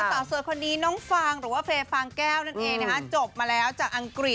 แต่เอาเสิร์ตคนนี้น้องฟางหรือเฟร่ฟางแก้วนั่นเองจบมาแล้วจากอังกฤษ